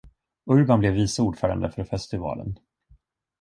Urban blev vice ordförande för festivalen.